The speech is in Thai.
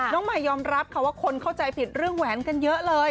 น้องใหม่ยอมรับว่าคนเข้าใจผิดเรื่องแหวนกันเยอะเลย